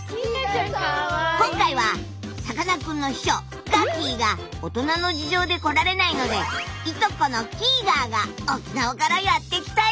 今回はさかなクンの秘書ガキィが大人の事情で来られないのでいとこのキィガーが沖縄からやって来たよ！